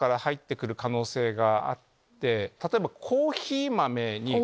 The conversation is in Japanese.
例えば。